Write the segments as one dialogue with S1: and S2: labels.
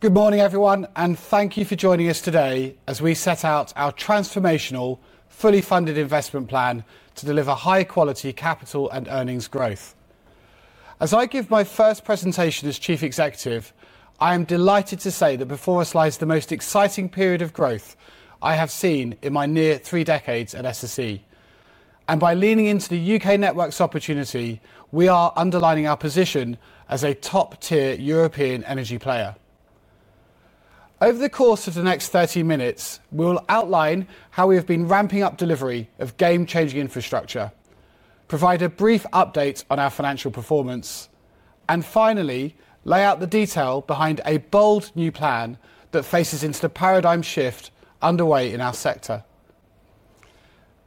S1: Good morning, everyone, and thank you for joining us today as we set out our transformational, fully funded investment plan to deliver high-quality capital and earnings growth. As I give my first presentation as Chief Executive, I am delighted to say that before us lies the most exciting period of growth I have seen in my near three decades at SSE. By leaning into the U.K. network's opportunity, we are underlining our position as a top-tier European energy player. Over the course of the next 30 minutes, we will outline how we have been ramping up delivery of game-changing infrastructure, provide a brief update on our financial performance, and finally, lay out the detail behind a bold new plan that faces into the paradigm shift underway in our sector.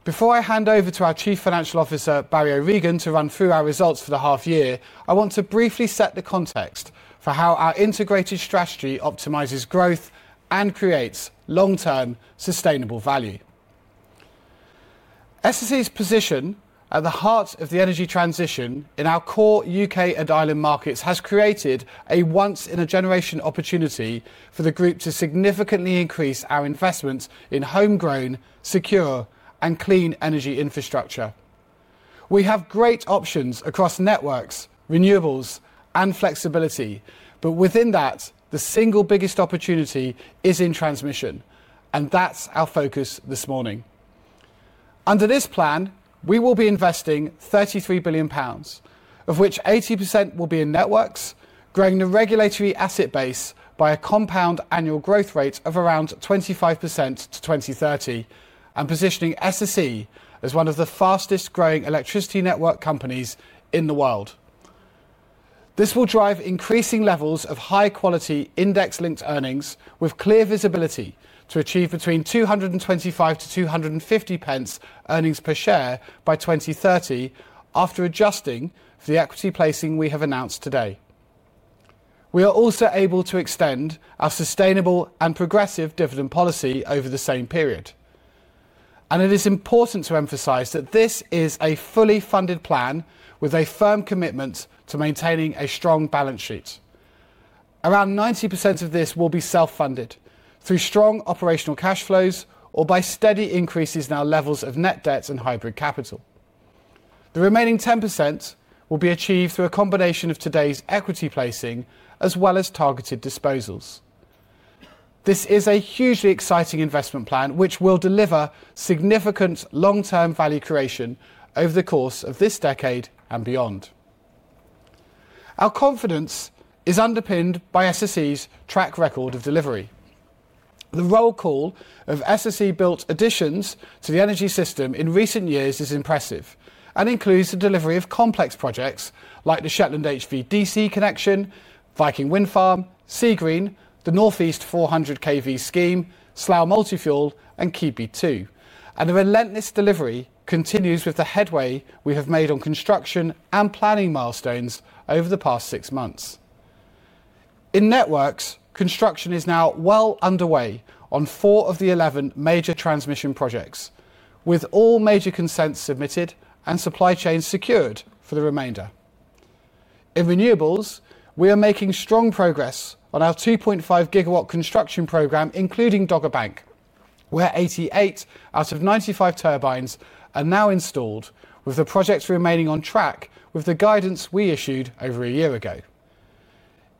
S1: Before I hand over to our Chief Financial Officer, Barry O'Regan, to run through our results for the half-year, I want to briefly set the context for how our integrated strategy optimizes growth and creates long-term sustainable value. SSE's position at the heart of the energy transition in our core U.K. and Ireland markets has created a once-in-a-generation opportunity for the group to significantly increase our investments in homegrown, secure, and clean energy infrastructure. We have great options across networks, renewables, and flexibility, but within that, the single biggest opportunity is in transmission, and that's our focus this morning. Under this plan, we will be investing 33 billion pounds, of which 80% will be in networks, growing the regulatory asset base by a compound annual growth rate of around 25% to 2030, and positioning SSE as one of the fastest-growing electricity network companies in the world. This will drive increasing levels of high-quality index-linked earnings with clear visibility to achieve between 2.25-2.50 earnings per share by 2030, after adjusting for the equity placing we have announced today. We are also able to extend our sustainable and progressive dividend policy over the same period. It is important to emphasize that this is a fully funded plan with a firm commitment to maintaining a strong balance sheet. Around 90% of this will be self-funded through strong operational cash flows or by steady increases in our levels of net debt and hybrid capital. The remaining 10% will be achieved through a combination of today's equity placing as well as targeted disposals. This is a hugely exciting investment plan which will deliver significant long-term value creation over the course of this decade and beyond. Our confidence is underpinned by SSE's track record of delivery. The roll call of SSE-built additions to the energy system in recent years is impressive and includes the delivery of complex projects like the Shetland HVDC connection, Viking Wind Farm, Seagreen, the Northeast 400 kV scheme, Slough Multifuel, and Keadby 2. The relentless delivery continues with the headway we have made on construction and planning milestones over the past six months. In networks, construction is now well underway on four of the 11 major transmission projects, with all major consents submitted and supply chains secured for the remainder. In renewables, we are making strong progress on our 2.5 GW construction program, including Dogger Bank, where 88 out of 95 turbines are now installed, with the projects remaining on track with the guidance we issued over a year ago.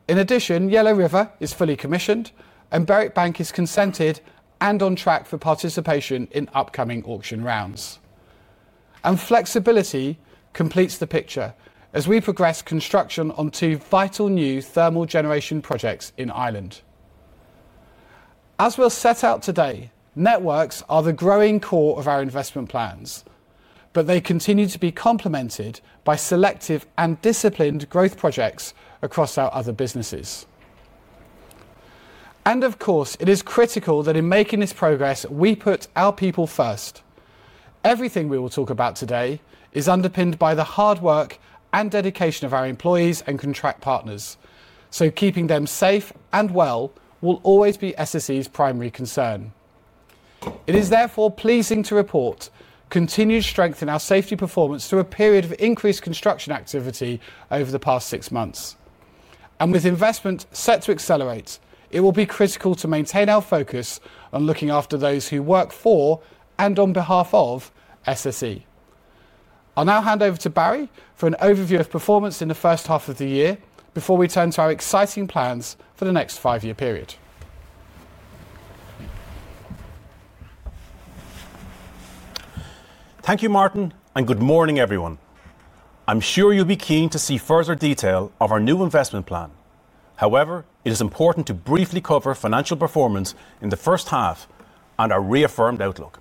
S1: In addition, Yellow River is fully commissioned, and Berwick Bank is consented and on track for participation in upcoming auction rounds. Flexibility completes the picture as we progress construction on two vital new thermal generation projects in Ireland. As we will set out today, networks are the growing core of our investment plans, but they continue to be complemented by selective and disciplined growth projects across our other businesses. Of course, it is critical that in making this progress, we put our people first. Everything we will talk about today is underpinned by the hard work and dedication of our employees and contract partners, so keeping them safe and well will always be SSE's primary concern. It is therefore pleasing to report continued strength in our safety performance through a period of increased construction activity over the past six months. With investment set to accelerate, it will be critical to maintain our focus on looking after those who work for and on behalf of SSE. I'll now hand over to Barry for an overview of performance in the first half of the year before we turn to our exciting plans for the next five-year period.
S2: Thank you, Martin, and good morning, everyone. I'm sure you'll be keen to see further detail of our new investment plan. However, it is important to briefly cover financial performance in the first half and our reaffirmed outlook.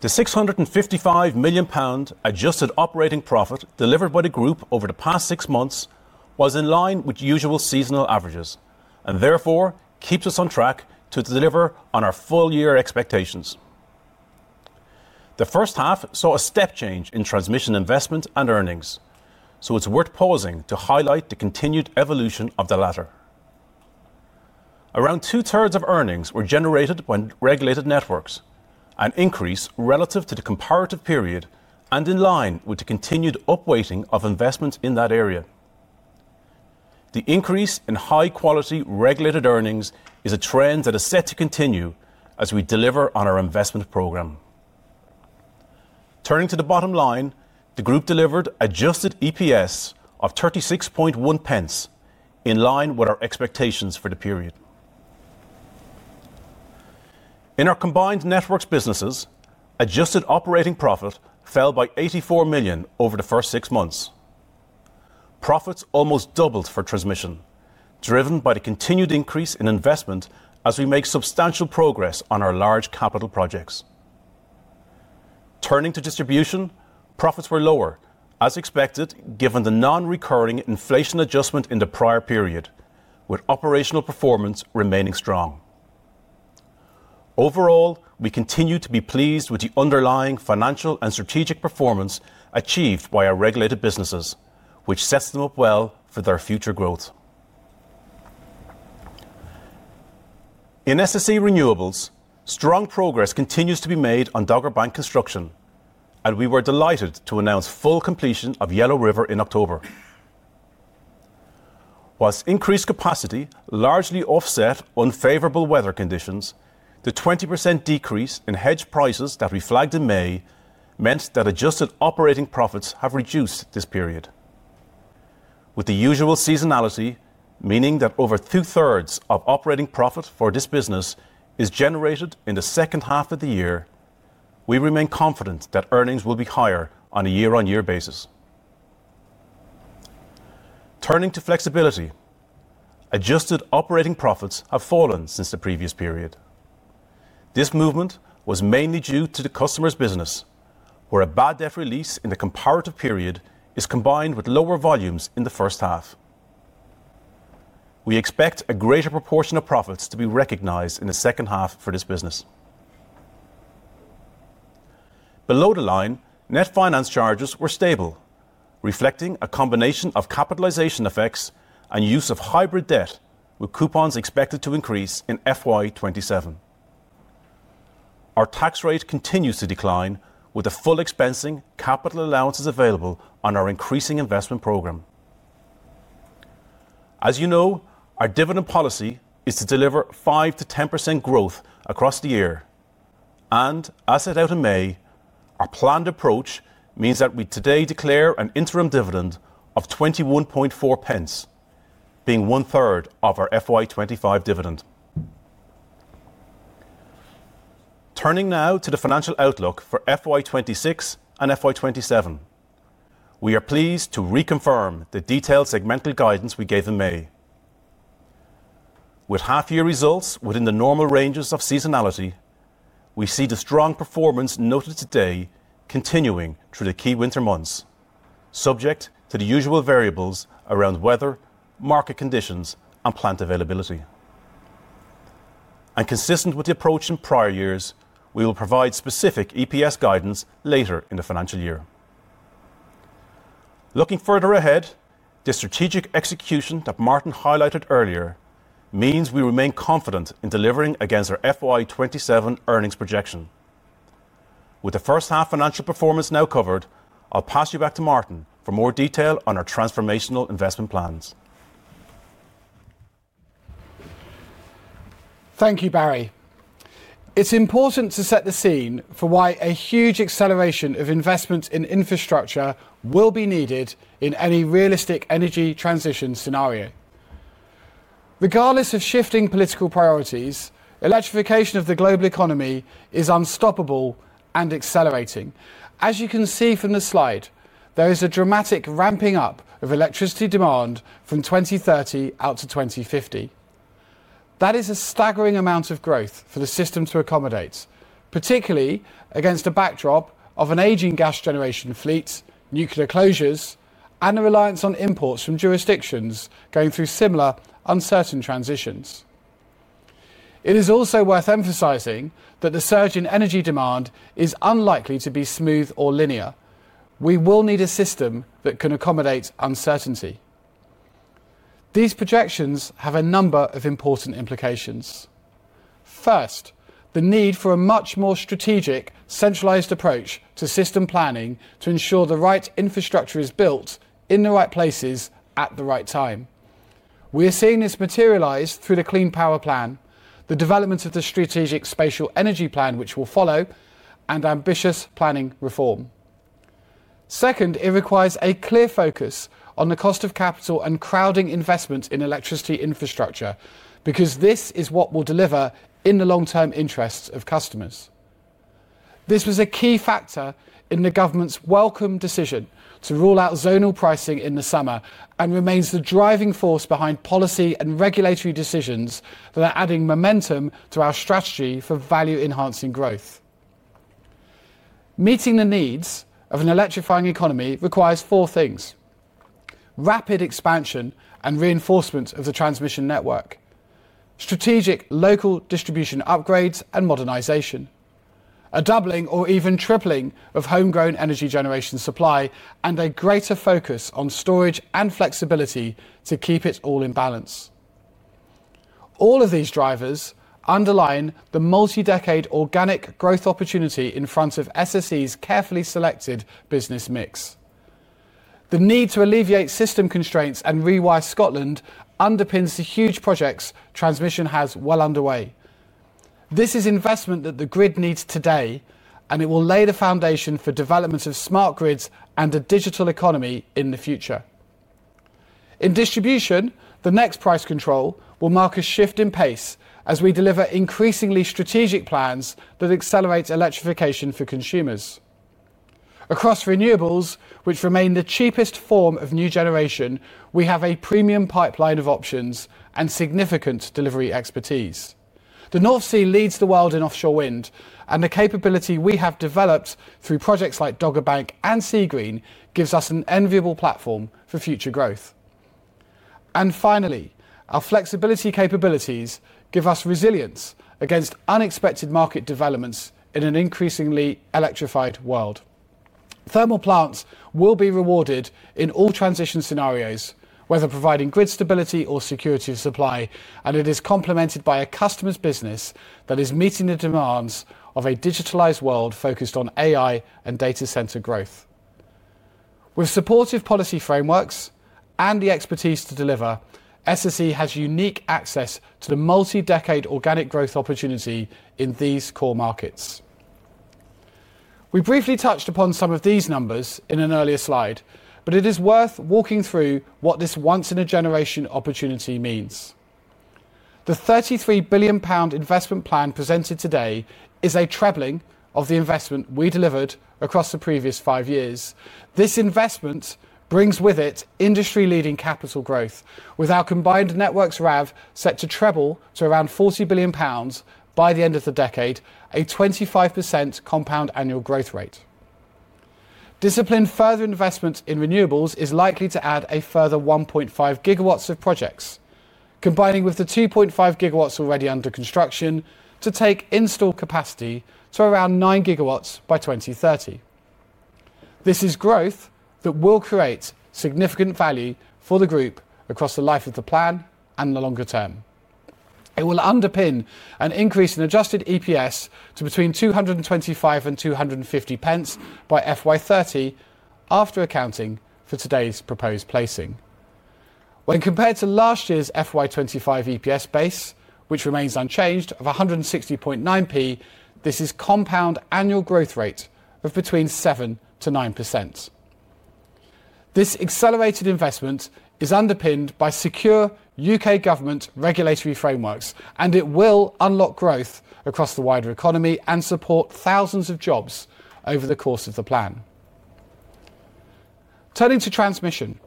S2: The 655 million pound adjusted operating profit delivered by the group over the past six months was in line with usual seasonal averages and therefore keeps us on track to deliver on our full-year expectations. The first half saw a step change in transmission investment and earnings, so it's worth pausing to highlight the continued evolution of the latter. Around two-thirds of earnings were generated by regulated networks, an increase relative to the comparative period and in line with the continued upweighting of investment in that area. The increase in high-quality regulated earnings is a trend that is set to continue as we deliver on our investment program. Turning to the bottom line, the group delivered adjusted EPS of 36.10, in line with our expectations for the period. In our combined networks businesses, adjusted operating profit fell by 84 million over the first six months. Profits almost doubled for transmission, driven by the continued increase in investment as we make substantial progress on our large capital projects. Turning to distribution, profits were lower, as expected, given the non-recurring inflation adjustment in the prior period, with operational performance remaining strong. Overall, we continue to be pleased with the underlying financial and strategic performance achieved by our regulated businesses, which sets them up well for their future growth. In SSE Renewables, strong progress continues to be made on Dogger Bank construction, and we were delighted to announce full completion of Yellow River in October. Whilst increased capacity largely offset unfavorable weather conditions, the 20% decrease in hedge prices that we flagged in May meant that adjusted operating profits have reduced this period. With the usual seasonality meaning that over two-thirds of operating profit for this business is generated in the second half of the year, we remain confident that earnings will be higher on a year-on-year basis. Turning to flexibility, adjusted operating profits have fallen since the previous period. This movement was mainly due to the customer's business, where a bad debt release in the comparative period is combined with lower volumes in the first half. We expect a greater proportion of profits to be recognized in the second half for this business. Below the line, net finance charges were stable, reflecting a combination of capitalization effects and use of hybrid debt, with coupons expected to increase in FY2027. Our tax rate continues to decline, with the full expensing capital allowances available on our increasing investment program. As you know, our dividend policy is to deliver 5%-10% growth across the year, and as set out in May, our planned approach means that we today declare an interim dividend of 21.40, being one-third of our FY2025 dividend. Turning now to the financial outlook for FY2026 and FY2027, we are pleased to reconfirm the detailed segmental guidance we gave in May. With half-year results within the normal ranges of seasonality, we see the strong performance noted today continuing through the key winter months, subject to the usual variables around weather, market conditions, and plant availability. Consistent with the approach in prior years, we will provide specific EPS guidance later in the financial year. Looking further ahead, the strategic execution that Martin highlighted earlier means we remain confident in delivering against our FY2027 earnings projection. With the first half financial performance now covered, I'll pass you back to Martin for more detail on our transformational investment plans.
S1: Thank you, Barry. It's important to set the scene for why a huge acceleration of investment in infrastructure will be needed in any realistic energy transition scenario. Regardless of shifting political priorities, electrification of the global economy is unstoppable and accelerating. As you can see from the slide, there is a dramatic ramping up of electricity demand from 2030 out to 2050. That is a staggering amount of growth for the system to accommodate, particularly against a backdrop of an aging gas generation fleet, nuclear closures, and the reliance on imports from jurisdictions going through similar uncertain transitions. It is also worth emphasizing that the surge in energy demand is unlikely to be smooth or linear. We will need a system that can accommodate uncertainty. These projections have a number of important implications. First, the need for a much more strategic, centralized approach to system planning to ensure the right infrastructure is built in the right places at the right time. We are seeing this materialize through the Clean Power Plan, the development of the Strategic Spatial Energy Plan, which will follow, and ambitious planning reform. Second, it requires a clear focus on the cost of capital and crowding investment in electricity infrastructure because this is what will deliver in the long-term interests of customers. This was a key factor in the government's welcome decision to rule out zonal pricing in the summer and remains the driving force behind policy and regulatory decisions that are adding momentum to our strategy for value-enhancing growth. Meeting the needs of an electrifying economy requires four things: rapid expansion and reinforcement of the transmission network, strategic local distribution upgrades and modernization, a doubling or even tripling of homegrown energy generation supply, and a greater focus on storage and flexibility to keep it all in balance. All of these drivers underline the multi-decade organic growth opportunity in front of SSE's carefully selected business mix. The need to alleviate system constraints and rewire Scotland underpins the huge projects transmission has well underway. This is investment that the grid needs today, and it will lay the foundation for development of smart grids and a digital economy in the future. In distribution, the next price control will mark a shift in pace as we deliver increasingly strategic plans that accelerate electrification for consumers. Across renewables, which remain the cheapest form of new generation, we have a premium pipeline of options and significant delivery expertise. The North Sea leads the world in offshore wind, and the capability we have developed through projects like Dogger Bank and Seagreen gives us an enviable platform for future growth. Our flexibility capabilities give us resilience against unexpected market developments in an increasingly electrified world. Thermal plants will be rewarded in all transition scenarios, whether providing grid stability or security of supply, and it is complemented by a customer's business that is meeting the demands of a digitalized world focused on AI and data center growth. With supportive policy frameworks and the expertise to deliver, SSE has unique access to the multi-decade organic growth opportunity in these core markets. We briefly touched upon some of these numbers in an earlier slide, but it is worth walking through what this once-in-a-generation opportunity means. The 33 billion pound investment plan presented today is a tripling of the investment we delivered across the previous five years. This investment brings with it industry-leading capital growth, with our combined networks RAV set to grow to around 40 billion pounds by the end of the decade, a 25% compound annual growth rate. Disciplined further investment in renewables is likely to add a further 1.5 GW of projects, combining with the 2.5 GW already under construction to take installed capacity to around 9 GW by 2030. This is growth that will create significant value for the group across the life of the plan and the longer term. It will underpin an increase in adjusted EPS to between 2.25 and 2.50 by FY30, after accounting for today's proposed placing. When compared to last year's FY25 EPS base, which remains unchanged at 1.609, this is a compound annual growth rate of between 7%-9%. This accelerated investment is underpinned by secure U.K. government regulatory frameworks, and it will unlock growth across the wider economy and support thousands of jobs over the course of the plan. Turning to transmission,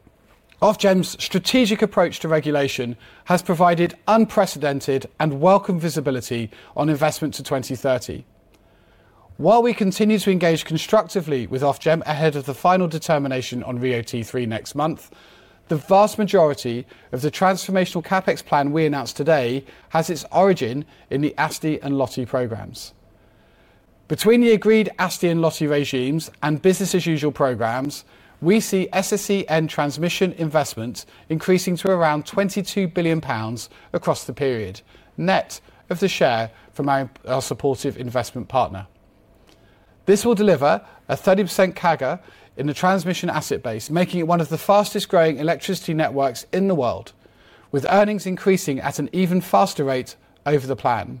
S1: Ofgem's strategic approach to regulation has provided unprecedented and welcome visibility on investment to 2030. While we continue to engage constructively with Ofgem ahead of the final determination on RIIO-T3 next month, the vast majority of the transformational CapEx plan we announced today has its origin in the ASTI and LOTI programs. Between the agreed ASTI and LOTI regimes and business-as-usual programs, we see SSE and transmission investment increasing to around 22 billion pounds across the period, net of the share from our supportive investment partner. This will deliver a 30% CAGR in the transmission asset base, making it one of the fastest-growing electricity networks in the world, with earnings increasing at an even faster rate over the plan.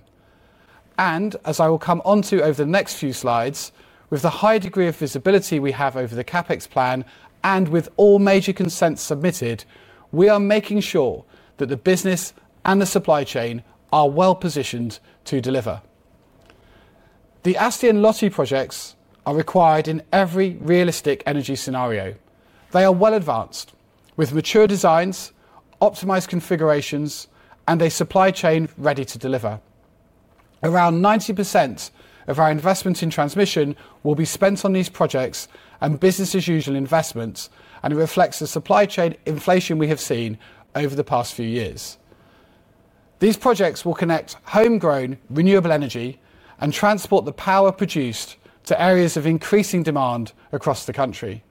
S1: As I will come on to over the next few slides, with the high degree of visibility we have over the CapEx plan and with all major consents submitted, we are making sure that the business and the supply chain are well positioned to deliver. The ASTI and LOTI projects are required in every realistic energy scenario. They are well advanced, with mature designs, optimized configurations, and a supply chain ready to deliver. Around 90% of our investment in transmission will be spent on these projects and business-as-usual investments, and it reflects the supply chain inflation we have seen over the past few years. These projects will connect homegrown renewable energy and transport the power produced to areas of increasing demand across the country.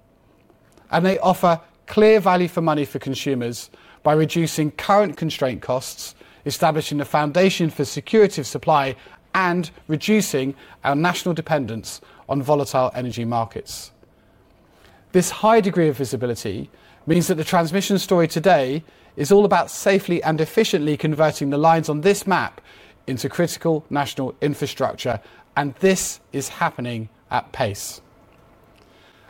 S1: They offer clear value for money for consumers by reducing current constraint costs, establishing a foundation for security of supply, and reducing our national dependence on volatile energy markets. This high degree of visibility means that the transmission story today is all about safely and efficiently converting the lines on this map into critical national infrastructure, and this is happening at pace.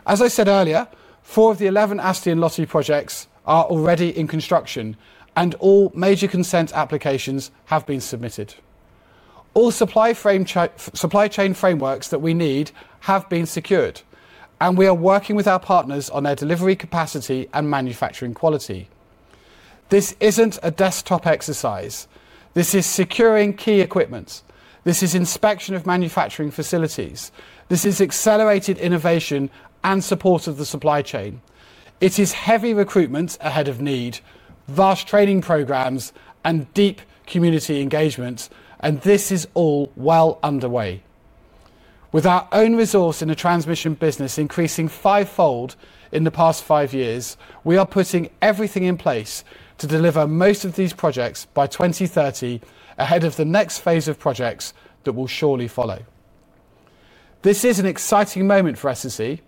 S1: As I said earlier, four of the 11 ASTI and LOTI projects are already in construction, and all major consent applications have been submitted. All supply chain frameworks that we need have been secured, and we are working with our partners on their delivery capacity and manufacturing quality. This is not a desktop exercise. This is securing key equipment. This is inspection of manufacturing facilities. This is accelerated innovation and support of the supply chain. It is heavy recruitment ahead of need, vast training programs, and deep community engagement, and this is all well underway. With our own resource in the transmission business increasing fivefold in the past five years, we are putting everything in place to deliver most of these projects by 2030 ahead of the next phase of projects that will surely follow. This is an exciting moment for SSE,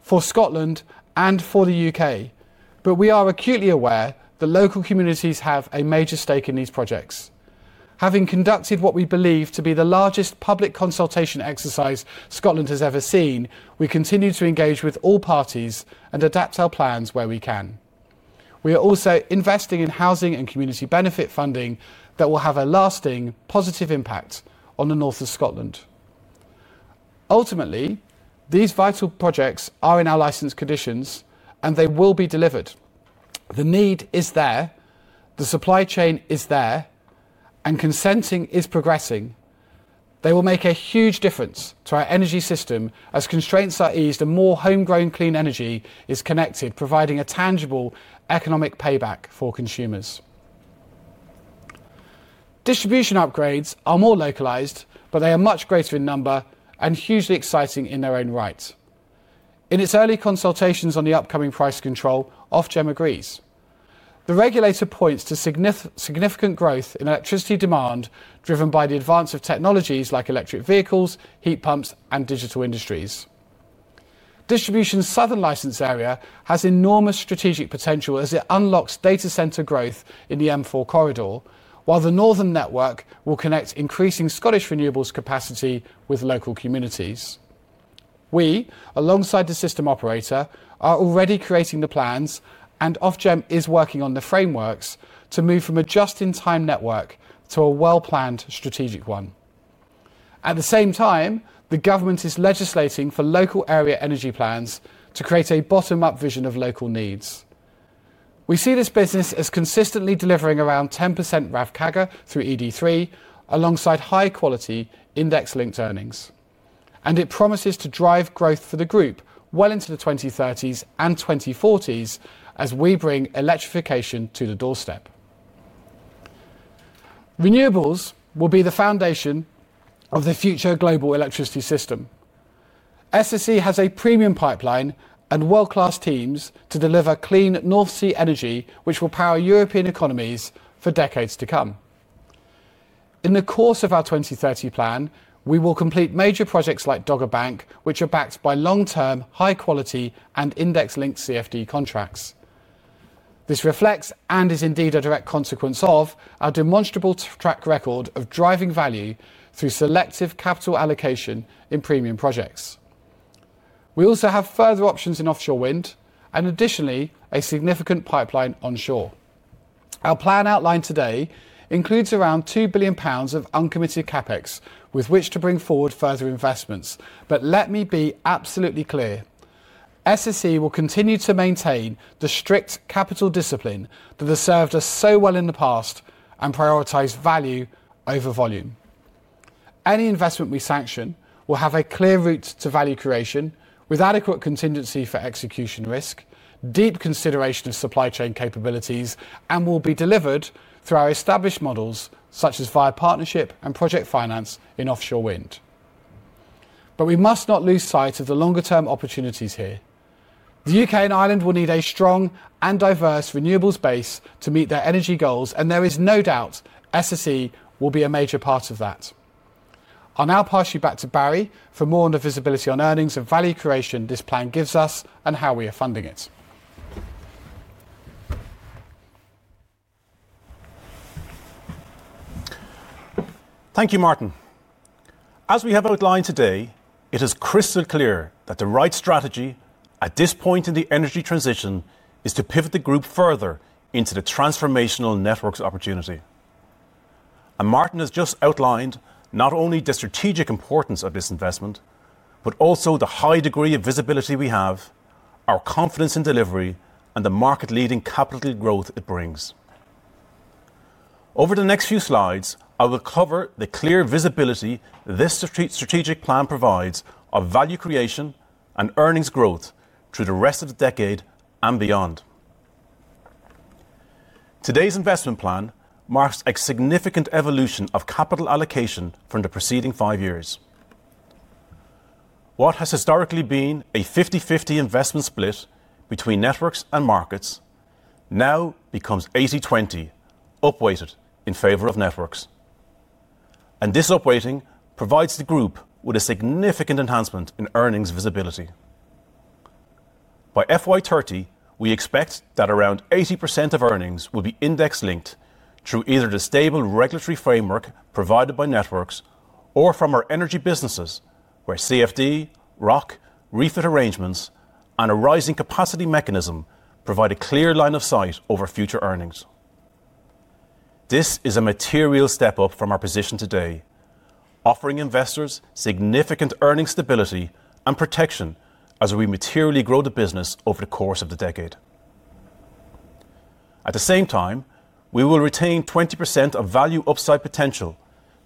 S1: for Scotland, and for the U.K., but we are acutely aware the local communities have a major stake in these projects. Having conducted what we believe to be the largest public consultation exercise Scotland has ever seen, we continue to engage with all parties and adapt our plans where we can. We are also investing in housing and community benefit funding that will have a lasting positive impact on the north of Scotland. Ultimately, these vital projects are in our licensed conditions, and they will be delivered. The need is there, the supply chain is there, and consenting is progressing. They will make a huge difference to our energy system as constraints are eased and more homegrown clean energy is connected, providing a tangible economic payback for consumers. Distribution upgrades are more localized, but they are much greater in number and hugely exciting in their own right. In its early consultations on the upcoming price control, Ofgem agrees. The regulator points to significant growth in electricity demand driven by the advance of technologies like electric vehicles, heat pumps, and digital industries. Distribution's southern licensed area has enormous strategic potential as it unlocks data center growth in the M4 corridor, while the northern network will connect increasing Scottish renewables capacity with local communities. We, alongside the system operator, are already creating the plans, and Ofgem is working on the frameworks to move from a just-in-time network to a well-planned strategic one. At the same time, the government is legislating for local area energy plans to create a bottom-up vision of local needs. We see this business as consistently delivering around 10% RAV CAGR through ED3, alongside high-quality index-linked earnings. It promises to drive growth for the group well into the 2030s and 2040s as we bring electrification to the doorstep. Renewables will be the foundation of the future global electricity system. SSE has a premium pipeline and world-class teams to deliver clean North Sea energy, which will power European economies for decades to come. In the course of our 2030 plan, we will complete major projects like Dogger Bank, which are backed by long-term, high-quality, and index-linked CfD contracts. This reflects and is indeed a direct consequence of our demonstrable track record of driving value through selective capital allocation in premium projects. We also have further options in offshore wind and additionally a significant pipeline onshore. Our plan outlined today includes around 2 billion pounds of uncommitted CapEx with which to bring forward further investments, but let me be absolutely clear. SSE will continue to maintain the strict capital discipline that has served us so well in the past and prioritize value over volume. Any investment we sanction will have a clear route to value creation with adequate contingency for execution risk, deep consideration of supply chain capabilities, and will be delivered through our established models such as via partnership and project finance in offshore wind. We must not lose sight of the longer-term opportunities here. The U.K. and Ireland will need a strong and diverse renewables base to meet their energy goals, and there is no doubt SSE will be a major part of that. I'll now pass you back to Barry for more on the visibility on earnings and value creation this plan gives us and how we are funding it.
S2: Thank you, Martin. As we have outlined today, it is crystal clear that the right strategy at this point in the energy transition is to pivot the group further into the transformational networks opportunity. Martin has just outlined not only the strategic importance of this investment, but also the high degree of visibility we have, our confidence in delivery, and the market-leading capital growth it brings. Over the next few slides, I will cover the clear visibility this strategic plan provides of value creation and earnings growth through the rest of the decade and beyond. Today's investment plan marks a significant evolution of capital allocation from the preceding five years. What has historically been a 50/50 investment split between networks and markets now becomes 80/20, upweighted in favor of networks. This upweighting provides the group with a significant enhancement in earnings visibility. By FY2030, we expect that around 80% of earnings will be index-linked through either the stable regulatory framework provided by networks or from our energy businesses, where CfD, ROC, REIT arrangements, and a rising capacity mechanism provide a clear line of sight over future earnings. This is a material step up from our position today, offering investors significant earnings stability and protection as we materially grow the business over the course of the decade. At the same time, we will retain 20% of value upside potential,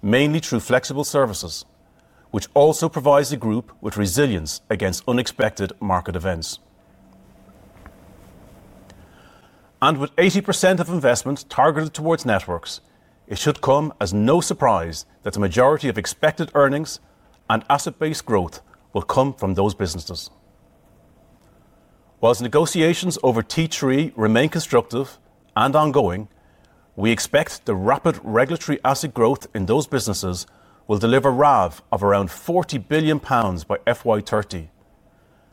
S2: mainly through flexible services, which also provides the group with resilience against unexpected market events. With 80% of investment targeted towards networks, it should come as no surprise that the majority of expected earnings and asset-based growth will come from those businesses. Whilst negotiations over T3 remain constructive and ongoing, we expect the rapid regulatory asset growth in those businesses will deliver RAV of around 40 billion pounds by FY2030,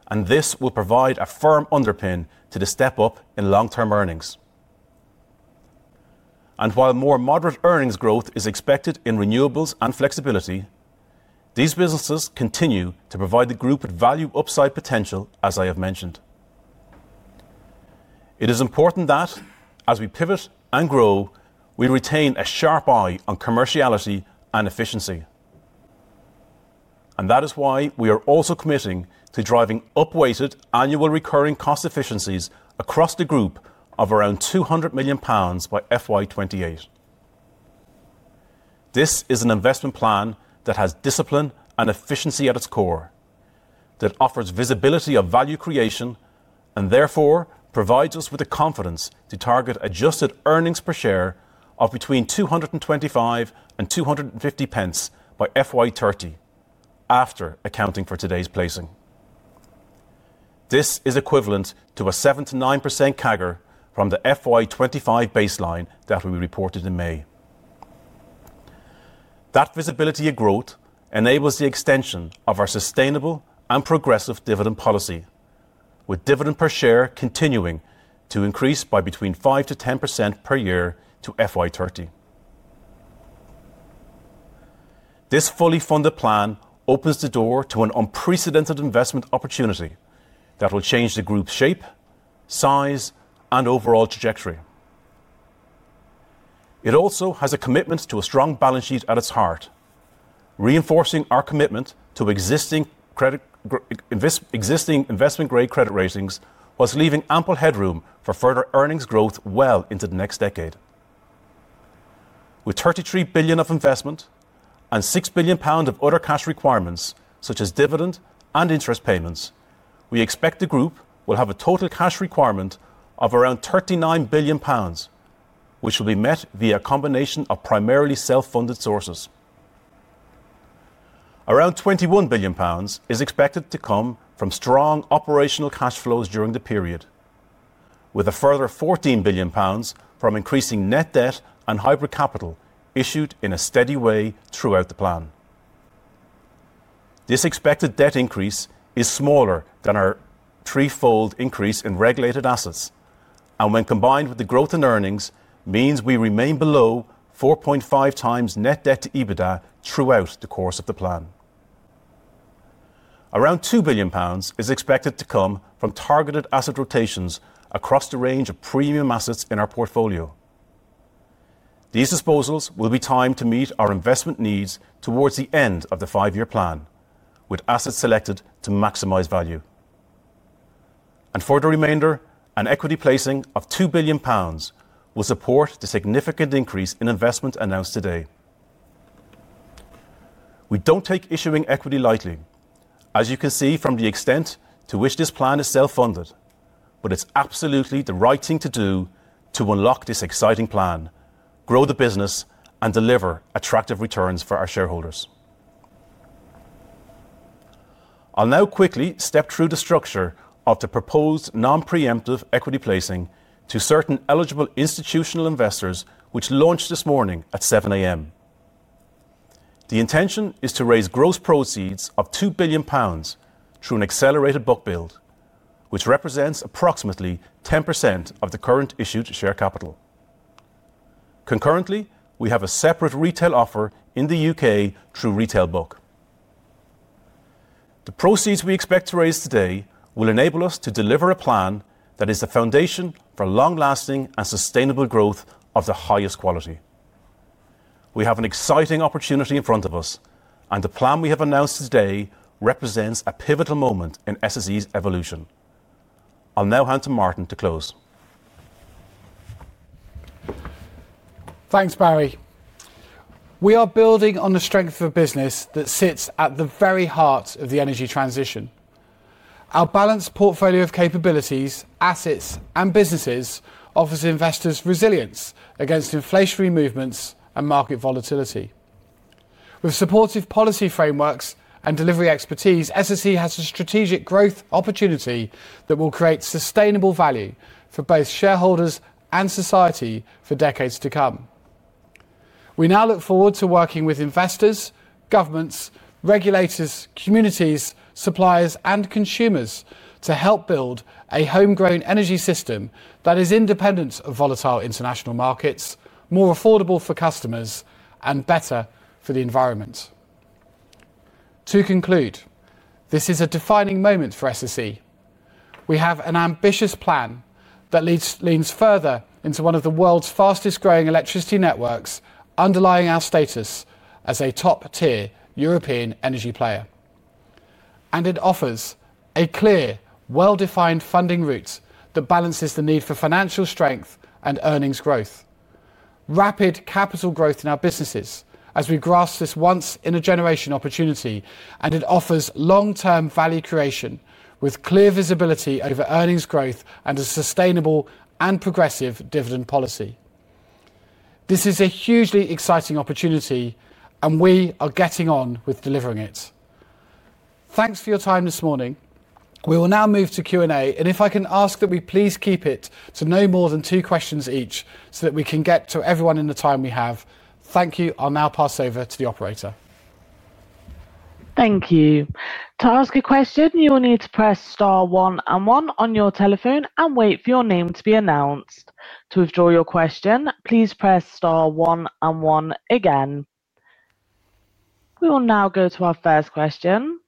S2: and this will provide a firm underpin to the step up in long-term earnings. While more moderate earnings growth is expected in renewables and flexibility, these businesses continue to provide the group with value upside potential, as I have mentioned. It is important that, as we pivot and grow, we retain a sharp eye on commerciality and efficiency. That is why we are also committing to driving upweighted annual recurring cost efficiencies across the group of around 200 million pounds by FY2028. This is an investment plan that has discipline and efficiency at its core, that offers visibility of value creation, and therefore provides us with the confidence to target adjusted earnings per share of between 2.25 and 2.50 by FY2030, after accounting for today's placing. This is equivalent to a 7%-9% CAGR from the FY2025 baseline that we reported in May. That visibility of growth enables the extension of our sustainable and progressive dividend policy, with dividend per share continuing to increase by between 5%-10% per year to FY2030. This fully funded plan opens the door to an unprecedented investment opportunity that will change the group's shape, size, and overall trajectory. It also has a commitment to a strong balance sheet at its heart, reinforcing our commitment to existing investment-grade credit ratings whilst leaving ample headroom for further earnings growth well into the next decade. With 33 billion of investment and 6 billion pounds of other cash requirements, such as dividend and interest payments, we expect the group will have a total cash requirement of around 39 billion pounds, which will be met via a combination of primarily self-funded sources. Around 21 billion pounds is expected to come from strong operational cash flows during the period, with a further GBP 14 billion from increasing net debt and hybrid capital issued in a steady way throughout the plan. This expected debt increase is smaller than our threefold increase in regulated assets, and when combined with the growth in earnings, means we remain below 4.5 times net debt-to-EBITDA throughout the course of the plan. Around 2 billion pounds is expected to come from targeted asset rotations across the range of premium assets in our portfolio. These disposals will be timed to meet our investment needs towards the end of the five-year plan, with assets selected to maximize value. For the remainder, an equity placing of 2 billion pounds will support the significant increase in investment announced today. We do not take issuing equity lightly, as you can see from the extent to which this plan is self-funded, but it is absolutely the right thing to do to unlock this exciting plan, grow the business, and deliver attractive returns for our shareholders. I will now quickly step through the structure of the proposed non-preemptive equity placing to certain eligible institutional investors which launched this morning at 7:00 A.M. The intention is to raise gross proceeds of 2 billion pounds through an accelerated book build, which represents approximately 10% of the current issued share capital. Concurrently, we have a separate retail offer in the U.K. through Retail Book. The proceeds we expect to raise today will enable us to deliver a plan that is the foundation for long-lasting and sustainable growth of the highest quality. We have an exciting opportunity in front of us, and the plan we have announced today represents a pivotal moment in SSE's evolution. I'll now hand to Martin to close.
S1: Thanks, Barry. We are building on the strength of a business that sits at the very heart of the energy transition. Our balanced portfolio of capabilities, assets, and businesses offers investors resilience against inflationary movements and market volatility. With supportive policy frameworks and delivery expertise, SSE has a strategic growth opportunity that will create sustainable value for both shareholders and society for decades to come. We now look forward to working with investors, governments, regulators, communities, suppliers, and consumers to help build a homegrown energy system that is independent of volatile international markets, more affordable for customers, and better for the environment. To conclude, this is a defining moment for SSE. We have an ambitious plan that leans further into one of the world's fastest-growing electricity networks, underlying our status as a top-tier European energy player. It offers a clear, well-defined funding route that balances the need for financial strength and earnings growth, rapid capital growth in our businesses as we grasp this once-in-a-generation opportunity, and it offers long-term value creation with clear visibility over earnings growth and a sustainable and progressive dividend policy. This is a hugely exciting opportunity, and we are getting on with delivering it. Thanks for your time this morning. We will now move to Q&A, and if I can ask that we please keep it to no more than two questions each so that we can get to everyone in the time we have. Thank you. I'll now pass over to the operator.
S3: Thank you. To ask a question, you will need to press star one and one on your telephone and wait for your name to be announced. To withdraw your question, please press star one and one again. We will now go to our first question.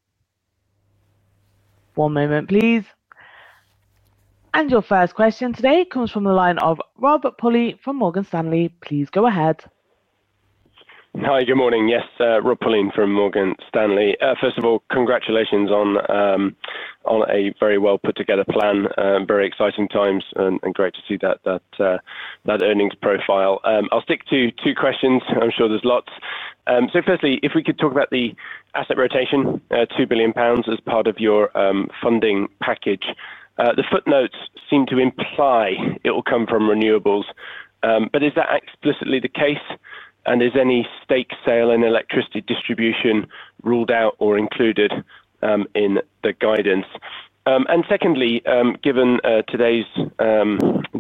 S3: One moment, please. Your first question today comes from the line of [Rob Pulley] from Morgan Stanley. Please go ahead. Hi, good morning. Yes, [Rob Pulley] from Morgan Stanley. First of all, congratulations on a very well-put-together plan, very exciting times, and great to see that earnings profile. I'll stick to two questions. I'm sure there's lots. Firstly, if we could talk about the asset rotation, 2 billion pounds as part of your funding package. The footnotes seem to imply it will come from renewables, but is that explicitly the case, and is any stake sale in electricity distribution ruled out or included in the guidance? Secondly, given today's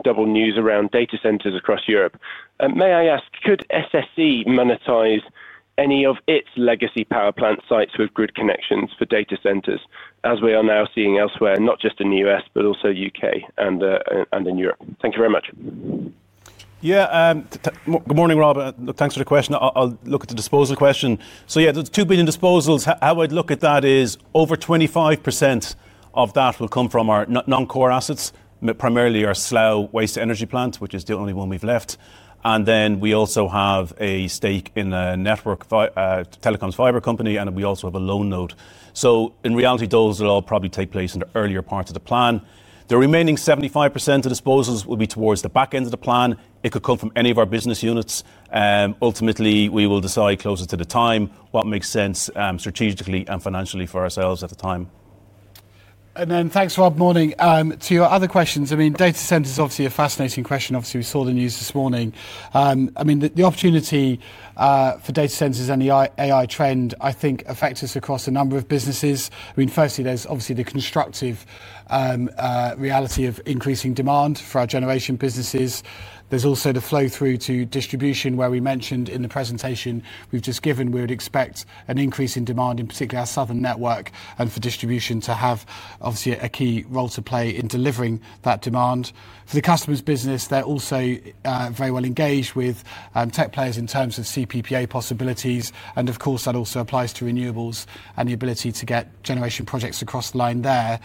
S3: double news around data centers across Europe, may I ask, could SSE monetize any of its legacy power plant sites with grid connections for data centers, as we are now seeing elsewhere, not just in the U.S., but also U.K. and in Europe?
S2: Thank you very much. Yeah, good morning, Robert. Thanks for the question. I'll look at the disposal question. The 2 billion disposals, how I'd look at that is over 25% of that will come from our non-core assets, primarily our Slough Multifuel plant, which is the only one we've left. We also have a stake in a network, Telecoms Fiber Company, and we also have a loan note. In reality, those will all probably take place in the earlier parts of the plan. The remaining 75% of disposals will be towards the back end of the plan. It could come from any of our business units. Ultimately, we will decide closer to the time what makes sense strategically and financially for ourselves at the time.
S1: Thanks, Rob. Morning. To your other questions, I mean, data centers obviously are a fascinating question. Obviously, we saw the news this morning. I mean, the opportunity for data centers and the AI trend, I think, affects us across a number of businesses. Firstly, there is obviously the constructive reality of increasing demand for our generation businesses. There is also the flow through to distribution, where we mentioned in the presentation we have just given, we would expect an increase in demand, in particular our southern network and for distribution to have obviously a key role to play in delivering that demand. For the customer's business, they are also very well engaged with tech players in terms of CPPA possibilities. Of course, that also applies to renewables and the ability to get generation projects across the line there.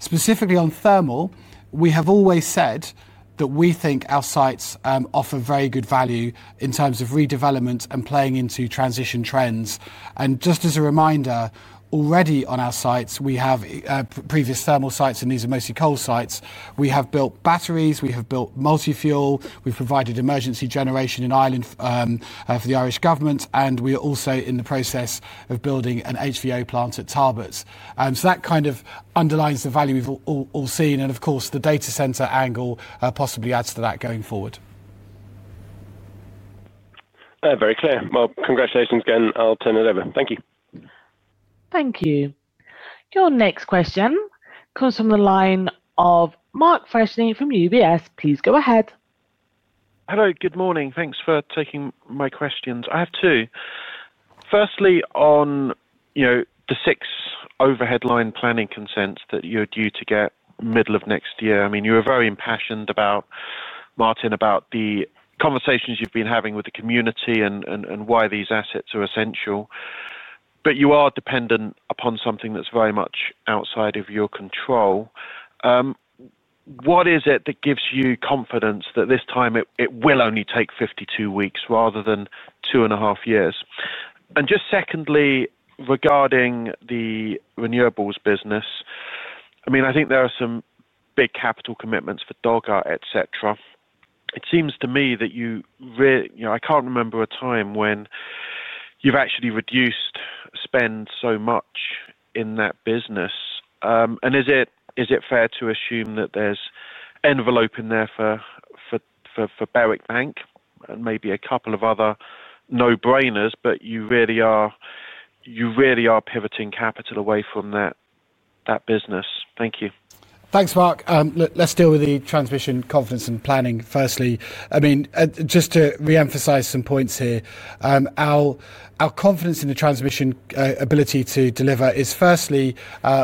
S1: Specifically on thermal, we have always said that we think our sites offer very good value in terms of redevelopment and playing into transition trends. Just as a reminder, already on our sites, we have previous thermal sites, and these are mostly coal sites. We have built batteries. We have built Multifuel. We've provided emergency generation in Ireland for the Irish government, and we are also in the process of building an HVO plant at Tarbert. That kind of underlines the value we've all seen. The data center angle possibly adds to that going forward. Very clear. Congratulations again. I'll turn it over. Thank you.
S3: Thank you. Your next question comes from the line of Mark Freshney from UBS. Please go ahead.
S4: Hello, good morning. Thanks for taking my questions. I have two. Firstly, on the six overhead line planning consents that you're due to get middle of next year, I mean, you were very impassioned, Martin, about the conversations you've been having with the community and why these assets are essential. You are dependent upon something that's very much outside of your control. What is it that gives you confidence that this time it will only take 52 weeks rather than two and a half years? Just secondly, regarding the renewables business, I mean, I think there are some big capital commitments for Dogger Bank, etc. It seems to me that you really—I can't remember a time when you've actually reduced spend so much in that business. Is it fair to assume that there's envelope in there for Berwick Bank and maybe a couple of other no-brainers, but you really are pivoting capital away from that business? Thank you.
S2: Thanks, Mark. Let's deal with the transmission confidence and planning firstly. I mean, just to reemphasize some points here, our confidence in the transmission ability to deliver is firstly,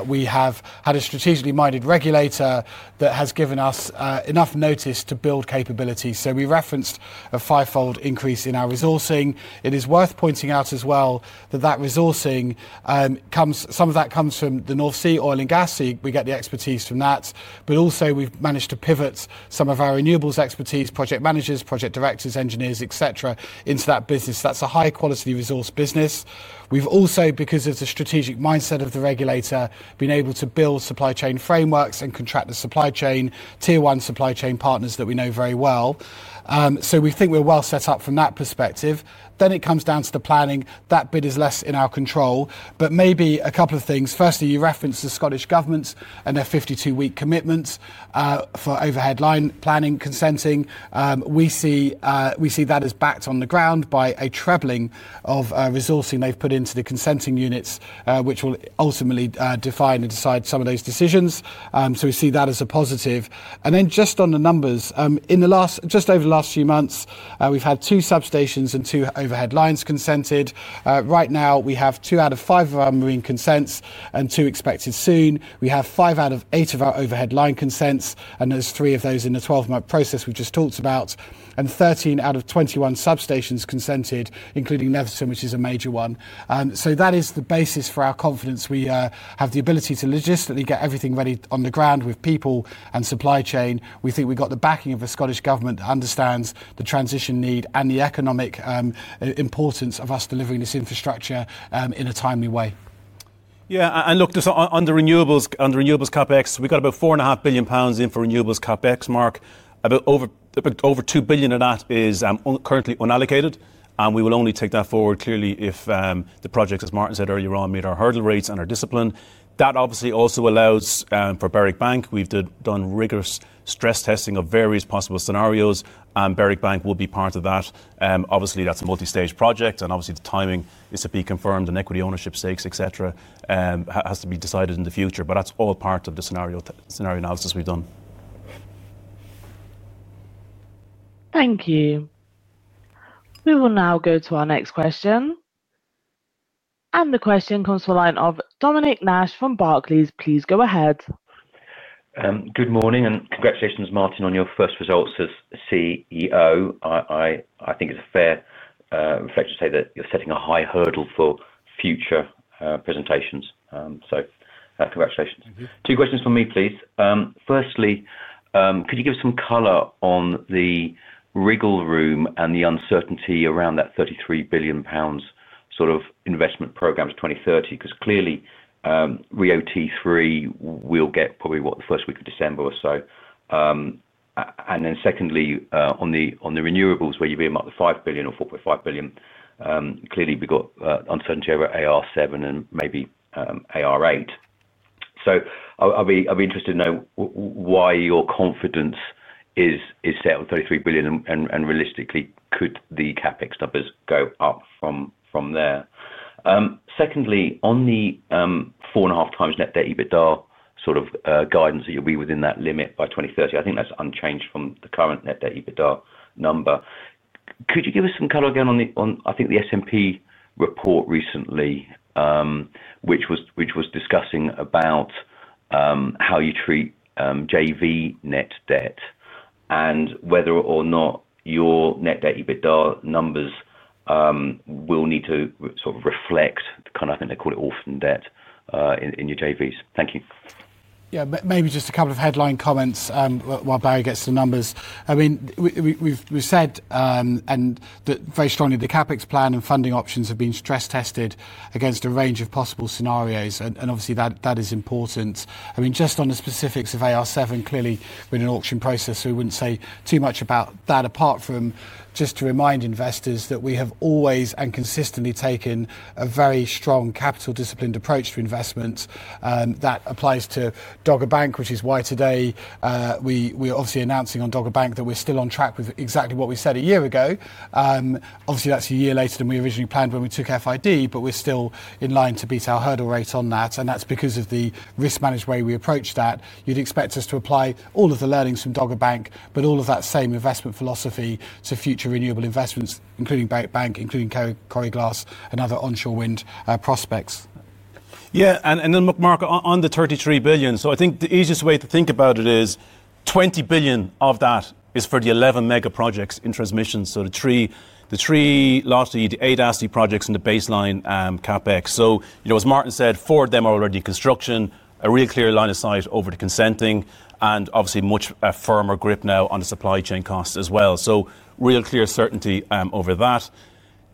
S2: we have had a strategically minded regulator that has given us enough notice to build capability. We referenced a fivefold increase in our resourcing. It is worth pointing out as well that that resourcing, some of that comes from the North Sea Oil and Gas Sea. We get the expertise from that. Also, we've managed to pivot some of our renewables expertise, project managers, project directors, engineers, etc., into that business. That's a high-quality resource business. We've also, because of the strategic mindset of the regulator, been able to build supply chain frameworks and contract the supply chain, tier one supply chain partners that we know very well. We think we're well set up from that perspective. It comes down to the planning. That bit is less in our control. Maybe a couple of things. Firstly, you referenced the Scottish government and their 52-week commitments for overhead line planning consenting. We see that as backed on the ground by a tripling of resourcing they've put into the consenting units, which will ultimately define and decide some of those decisions. We see that as a positive. Just on the numbers, in the last, just over the last few months, we've had two substations and two overhead lines consented. Right now, we have two out of five of our marine consents and two expected soon. We have five out of eight of our overhead line consents, and there are three of those in the 12-month process we just talked about, and 13 out of 21 substations consented, including Leatherton, which is a major one. That is the basis for our confidence. We have the ability to logistically get everything ready on the ground with people and supply chain. We think we have the backing of the Scottish government that understands the transition need and the economic importance of us delivering this infrastructure in a timely way.
S1: Yeah. On the renewables CapEx, we have about 4.5 billion pounds in for renewables CapEx, Mark. About over 2 billion of that is currently unallocated, and we will only take that forward clearly if the projects, as Martin said earlier on, meet our hurdle rates and our discipline. That obviously also allows for Berwick Bank. We have done rigorous stress testing of various possible scenarios, and Berwick Bank will be part of that. Obviously, that is a multi-stage project, and obviously, the timing is to be confirmed and equity ownership stakes, etc., has to be decided in the future. That is all part of the scenario analysis we have done.
S3: Thank you. We will now go to our next question. The question comes from the line of Dominic Nash from Barclays. Please go ahead.
S5: Good morning, and congratulations, Martin, on your first results as CEO. I think it is a fair reflection to say that you are setting a high hurdle for future presentations. Congratulations. Two questions from me, please. Firstly, could you give us some color on the wriggle room and the uncertainty around that 33 billion pounds sort of investment program to 2030? Because clearly, RIIO-T3 will get probably what, the first week of December or so. Secondly, on the renewables, where you're being marked at 5 billion or 4.5 billion, clearly we've got uncertainty over AR7 and maybe AR8. I’ll be interested to know why your confidence is set on 33 billion, and realistically, could the CapEx numbers go up from there? Secondly, on the four and a half times net debt EBITDA sort of guidance that you'll be within that limit by 2030, I think that's unchanged from the current net debt EBITDA number. Could you give us some color again on, I think, the S&P report recently, which was discussing about how you treat JV net debt and whether or not your net debt EBITDA numbers will need to sort of reflect the kind of, I think they call it, orphan debt in your JVs? Thank you.
S1: Yeah, maybe just a couple of headline comments while Barry gets the numbers. I mean, we've said, and very strongly, the CapEx plan and funding options have been stress tested against a range of possible scenarios, and obviously, that is important. I mean, just on the specifics of AR7, clearly, we're in an auction process, so we would not say too much about that apart from just to remind investors that we have always and consistently taken a very strong capital disciplined approach to investments. That applies to Dogger Bank, which is why today we're obviously announcing on Dogger Bank that we're still on track with exactly what we said a year ago. Obviously, that's a year later than we originally planned when we took FID, but we're still in line to beat our hurdle rate on that, and that's because of the risk management way we approach that. You'd expect us to apply all of the learnings from Dogger Bank, but all of that same investment philosophy to future renewable investments, including Berwick Bank, including Corry Glass, and other onshore wind prospects.
S2: Yeah. Mark, on the 33 billion, I think the easiest way to think about it is 20 billion of that is for the 11 mega projects in transmission. The three largely, the eight ASTI projects and the baseline CapEx. As Martin said, four of them are already construction, a really clear line of sight over the consenting, and obviously much firmer grip now on the supply chain costs as well. Real clear certainty over that.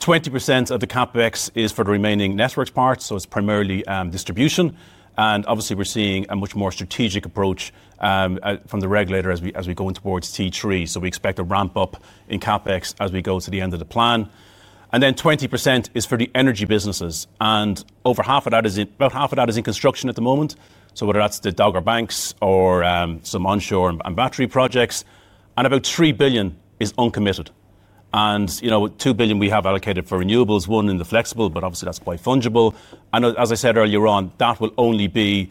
S2: 20% of the CapEx is for the remaining network parts, so it is primarily distribution. Obviously, we are seeing a much more strategic approach from the regulator as we go towards T3. We expect a ramp up in CapEx as we go to the end of the plan. 20% is for the energy businesses, and about half of that is in construction at the moment. Whether that is the Dogger Bank or some onshore and battery projects. About 3 billion is uncommitted. 2 billion we have allocated for renewables, one in the flexible, but obviously that is quite fungible. As I said earlier on, that will only be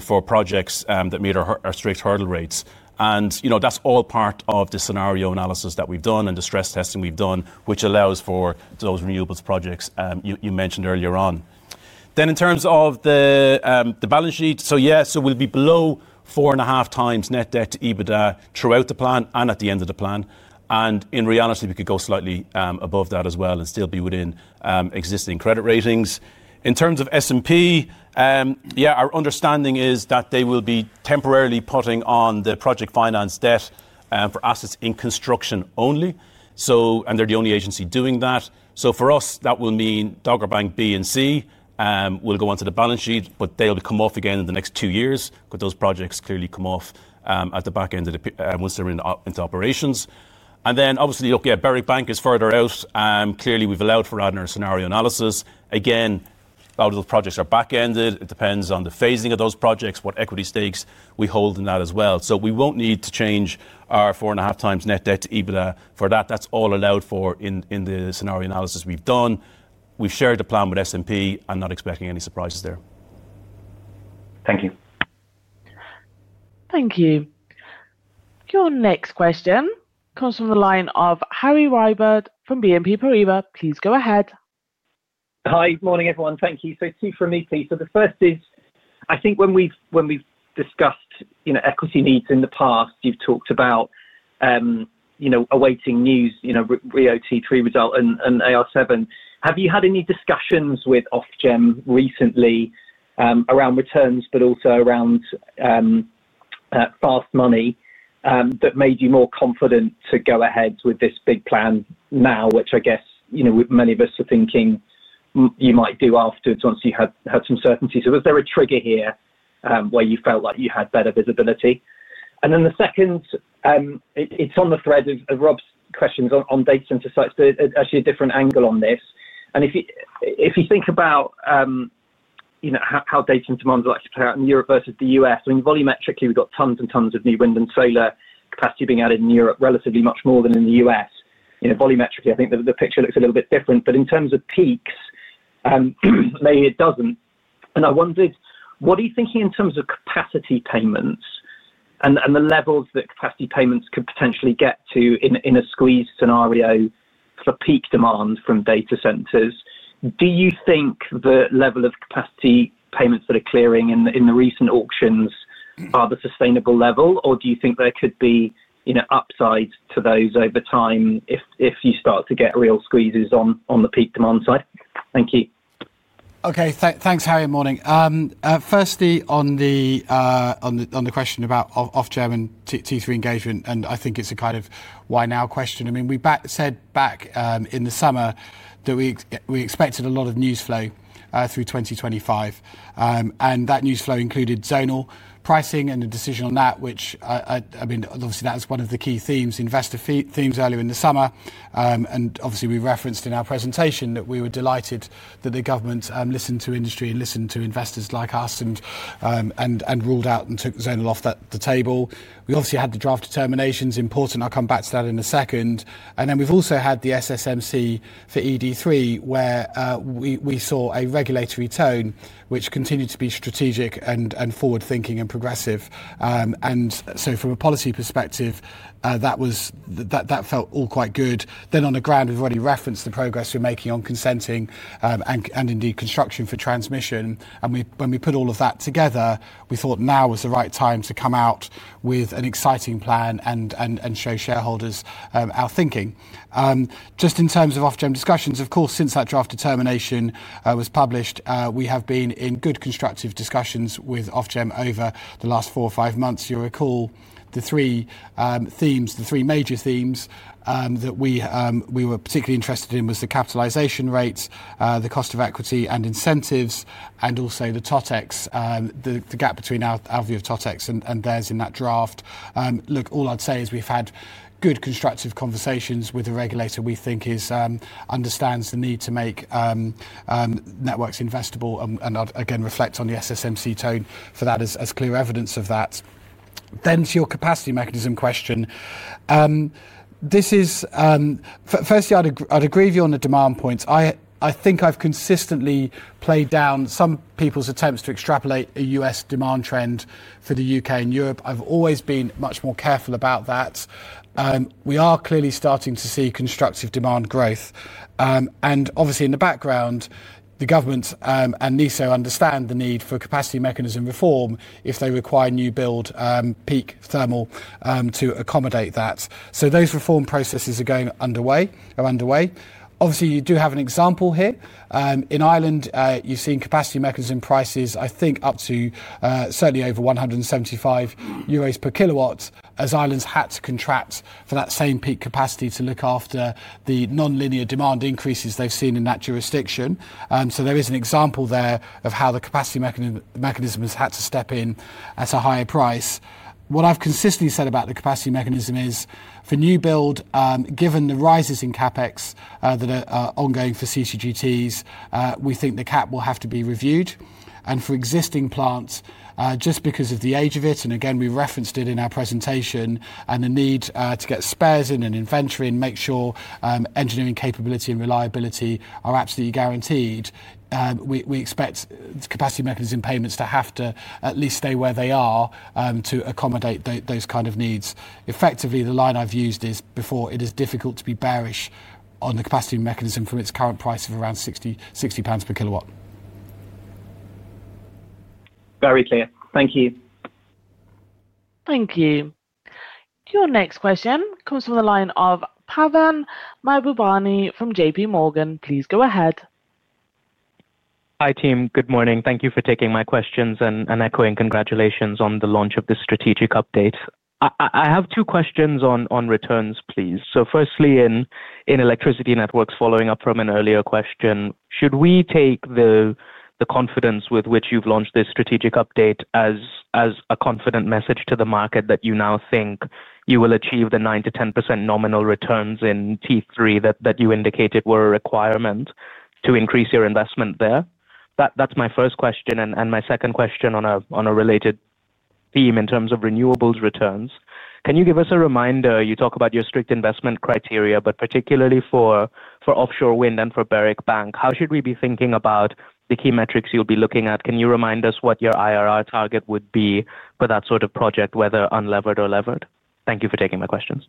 S2: for projects that meet our strict hurdle rates. That is all part of the scenario analysis that we have done and the stress testing we have done, which allows for those renewables projects you mentioned earlier on. In terms of the balance sheet, we will be below 4.5 times net debt-to-EBITDA throughout the plan and at the end of the plan. In reality, we could go slightly above that as well and still be within existing credit ratings. In terms of S&P, our understanding is that they will be temporarily putting on the project finance debt for assets in construction only, and they are the only agency doing that. For us, that will mean Dogger Bank B and C will go onto the balance sheet, but they'll come off again in the next two years because those projects clearly come off at the back end once they're into operations. Obviously, look, yeah, Berwick Bank is further out. Clearly, we've allowed for that in our scenario analysis. Again, those projects are back ended. It depends on the phasing of those projects, what equity stakes we hold in that as well. We won't need to change our 4.5 times net debt-to-EBITDA for that. That's all allowed for in the scenario analysis we've done. We've shared the plan with S&P. I'm not expecting any surprises there.
S5: Thank you. Thank you. Your next question comes from the line of Harry Wyburd from BNP Paribas. Please go ahead.
S6: Hi, morning everyone. Thank you. Two for me, please. The first is, I think when we've discussed equity needs in the past, you've talked about awaiting news, RIIO-T3 result and AR7. Have you had any discussions with Ofgem recently around returns, but also around fast money that made you more confident to go ahead with this big plan now, which I guess many of us are thinking you might do afterwards once you had some certainty? Was there a trigger here where you felt like you had better visibility? The second, it's on the thread of Rob's questions on data center sites, but actually a different angle on this. If you think about how data and demand will actually play out in Europe versus the U.S., I mean, volumetrically, we've got tons and tons of new wind and solar capacity being added in Europe, relatively much more than in the U.S. Volumetrically, I think the picture looks a little bit different. In terms of peaks, maybe it does not. I wondered, what are you thinking in terms of capacity payments and the levels that capacity payments could potentially get to in a squeeze scenario for peak demand from data centers? Do you think the level of capacity payments that are clearing in the recent auctions are the sustainable level, or do you think there could be upside to those over time if you start to get real squeezes on the peak demand side?
S1: Thank you. Okay. Thanks, Harry. Morning. Firstly, on the question about Ofgem and T3 engagement, I think it's a kind of why now question. I mean, we said back in the summer that we expected a lot of news flow through 2025. That news flow included zonal pricing and a decision on that, which, I mean, obviously, that was one of the key themes, investor themes earlier in the summer. Obviously, we referenced in our presentation that we were delighted that the government listened to industry and listened to investors like us and ruled out and took zonal off the table. We obviously had the draft determinations, important. I'll come back to that in a second. We have also had the SSMC for ED3, where we saw a regulatory tone which continued to be strategic and forward-thinking and progressive. From a policy perspective, that felt all quite good. On the ground, we've already referenced the progress we're making on consenting and indeed construction for transmission. When we put all of that together, we thought now was the right time to come out with an exciting plan and show shareholders our thinking. Just in terms of Ofgem discussions, of course, since that draft determination was published, we have been in good constructive discussions with Ofgem over the last four or five months. You'll recall the three themes, the three major themes that we were particularly interested in were the capitalization rates, the cost of equity and incentives, and also the TOTEX, the gap between our view of TOTEX and theirs in that draft. Look, all I'd say is we've had good constructive conversations with the regulator we think understands the need to make networks investable and again, reflect on the SSMC tone for that as clear evidence of that. To your capacity mechanism question, this is firstly, I'd agree with you on the demand points. I think I've consistently played down some people's attempts to extrapolate a U.S. demand trend for the U.K. and Europe. I've always been much more careful about that. We are clearly starting to see constructive demand growth. Obviously, in the background, the government and NESO understand the need for capacity mechanism reform if they require new build peak thermal to accommodate that. Those reform processes are going underway. Obviously, you do have an example here. In Ireland, you've seen capacity mechanism prices, I think, up to certainly over 175 euros per kilowatt as Ireland's had to contract for that same peak capacity to look after the non-linear demand increases they've seen in that jurisdiction. There is an example there of how the capacity mechanism has had to step in at a higher price. What I've consistently said about the capacity mechanism is for new build, given the rises in CapEx that are ongoing for CCGTs, we think the cap will have to be reviewed. For existing plants, just because of the age of it, and again, we referenced it in our presentation and the need to get spares in and inventory and make sure engineering capability and reliability are absolutely guaranteed, we expect capacity mechanism payments to have to at least stay where they are to accommodate those kind of needs. Effectively, the line I've used is before, it is difficult to be bearish on the capacity mechanism from its current price of around 60 pounds per kilowatt.
S6: Very clear. Thank you.
S3: Thank you. Your next question comes from the line of Pavan Mahbubani from JPMorgan. Please go ahead.
S7: Hi team. Good morning. Thank you for taking my questions and echoing congratulations on the launch of the strategic update. I have two questions on returns, please. Firstly, in electricity networks, following up from an earlier question, should we take the confidence with which you've launched this strategic update as a confident message to the market that you now think you will achieve the 9%-10% nominal returns in T3 that you indicated were a requirement to increase your investment there? That's my first question. My second question on a related theme in terms of renewables returns, can you give us a reminder? You talk about your strict investment criteria, but particularly for offshore wind and for Berwick Bank, how should we be thinking about the key metrics you'll be looking at? Can you remind us what your IRR target would be for that sort of project, whether unlevered or levered? Thank you for taking my questions.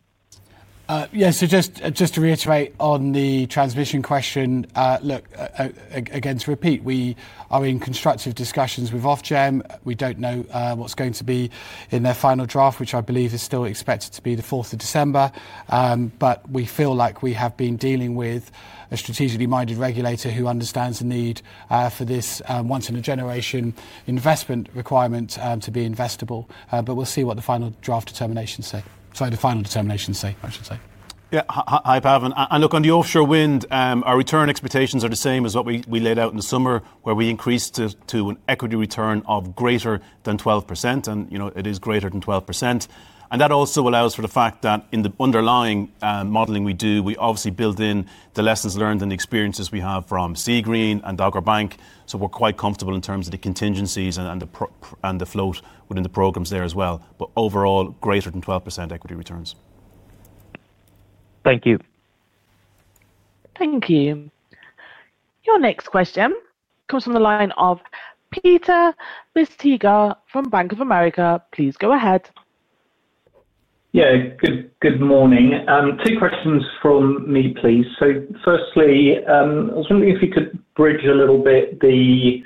S1: Yeah. Just to reiterate on the transmission question, look, again, to repeat, we are in constructive discussions with Ofgem. We do not know what is going to be in their final draft, which I believe is still expected to be the 4th of December. We feel like we have been dealing with a strategically minded regulator who understands the need for this once-in-a-generation investment requirement to be investable. We will see what the final draft determinations say. Sorry, the final determinations say, I should say.
S2: Yeah. Hi, Pavan. Look, on the offshore wind, our return expectations are the same as what we laid out in the summer, where we increased to an equity return of greater than 12%. It is greater than 12%. That also allows for the fact that in the underlying modeling we do, we obviously build in the lessons learned and the experiences we have from Seagreen and Dogger Bank. We are quite comfortable in terms of the contingencies and the float within the programs there as well. Overall, greater than 12% equity returns.
S7: Thank you.
S3: Thank you. Your next question comes from the line of Peter Bisztyga from Bank of America. Please go ahead.
S8: Yeah. Good morning. Two questions from me, please. Firstly, I was wondering if you could bridge a little bit the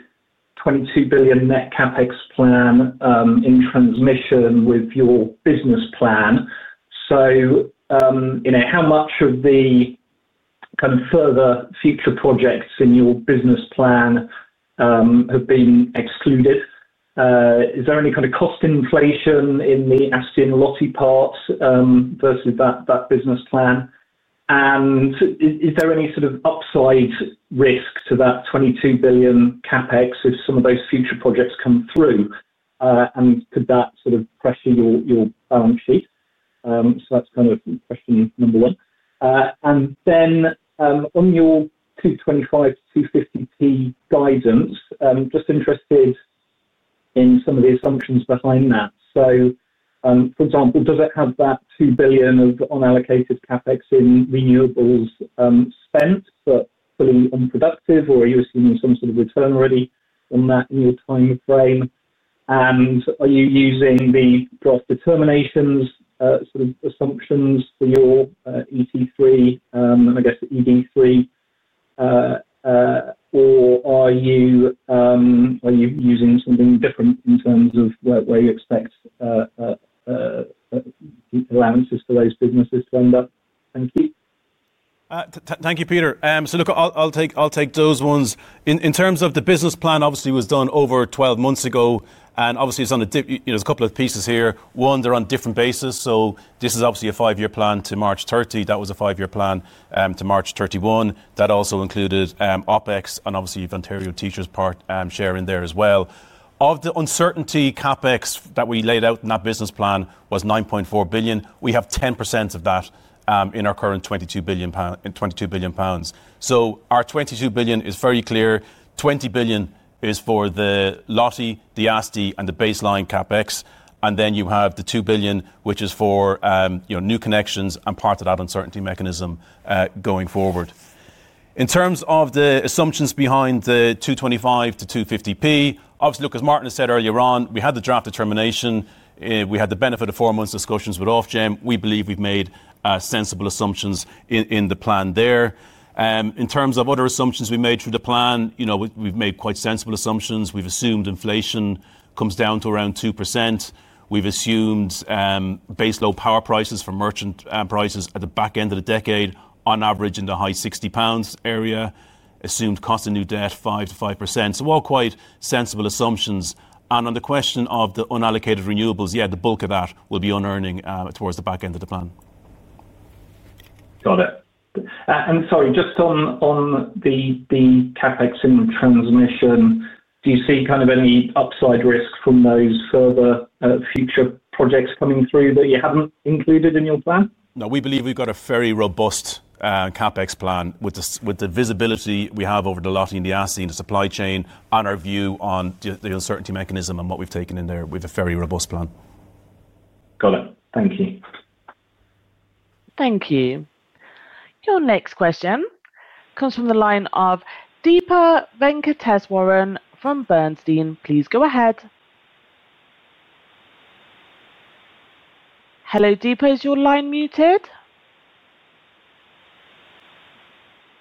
S8: 22 billion net CapEx plan in transmission with your business plan. How much of the kind of further future projects in your business plan have been excluded? Is there any kind of cost inflation in the ASTI and LOTI parts versus that business plan? Is there any sort of upside risk to that 22 billion CapEx if some of those future projects come through? Could that sort of pressure your balance sheet? That is kind of question number one. On your 225-250p guidance, just interested in some of the assumptions behind that. For example, does it have that 2 billion of unallocated CapEx in renewables spent but fully unproductive, or are you assuming some sort of return already on that in your time frame? Are you using the draft determinations sort of assumptions for your ET3 and I guess ED3, or are you using something different in terms of where you expect allowances for those businesses to end up? Thank you.
S2: Thank you, Peter. I'll take those ones. In terms of the business plan, obviously, it was done over 12 months ago. Obviously, it's on a couple of pieces here. One, they're on different bases. This is a five-year plan to March 30. That was a five-year plan to March 31. That also included OpEx and obviously Ontario Teachers' part sharing there as well. Of the uncertainty CapEx that we laid out in that business plan, it was 9.4 billion. We have 10% of that in our current 22 billion pounds. Our 22 billion is very clear. 20 billion is for the LOTI, the ASTI, and the baseline CapEx. You have the 2 billion, which is for new connections and part of that uncertainty mechanism going forward. In terms of the assumptions behind the 225-250p, obviously, look, as Martin has said earlier on, we had the draft determination. We had the benefit of four months discussions with Ofgem. We believe we have made sensible assumptions in the plan there. In terms of other assumptions we made through the plan, we have made quite sensible assumptions. We have assumed inflation comes down to around 2%. We have assumed base low power prices for merchant prices at the back end of the decade, on average in the high 60 pounds area, assumed cost of new debt 5%-5%. All quite sensible assumptions. On the question of the unallocated renewables, yeah, the bulk of that will be unearning towards the back end of the plan. Got it. Sorry, just on the CapEx in transmission, do you see kind of any upside risk from those further future projects coming through that you have not included in your plan? No, we believe we have got a very robust CapEx plan with the visibility we have over the LOTI and the ASTI and the supply chain, and our view on the uncertainty mechanism and what we have taken in there. We have a very robust plan.
S8: Got it. Thank you. Thank you. Your next question comes from the line of Deepa Venkateswaran from Bernstein. Please go ahead. Hello, Deepa, is your line muted?